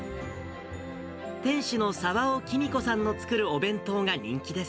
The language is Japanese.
店主の澤尾喜美子さんの作るお弁当が人気です。